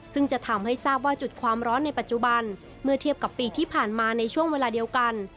ซึ่งจะทำให้ทราบว่าจุดความร้อนในปัจจุบันเมื่อเทียบกับปีที่ผ่านมาในช่วงเวลาเดียวกัน